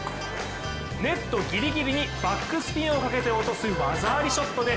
ネットぎりぎりにバックスピンをかけて落とす技ありショットで